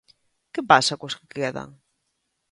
Que pasa cos que quedan?